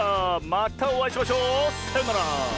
またおあいしましょう。さようなら。